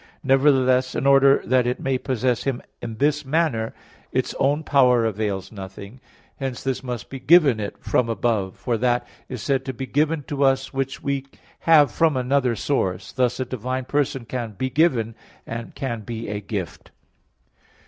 Nevertheless in order that it may possess Him in this manner, its own power avails nothing: hence this must be given it from above; for that is said to be given to us which we have from another source. Thus a divine person can "be given," and can be a "gift."